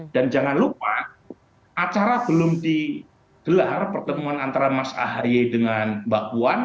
dan jangan lupa acara belum digelar pertemuan antara mas ahaye dengan mbak puan